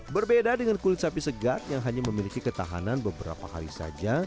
berbeda dengan kulit sapi segar yang hanya memiliki ketahanan beberapa hari saja